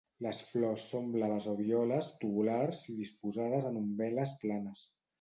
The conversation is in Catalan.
Les flors són blaves o violes, tubulars i disposades en umbel·les planes.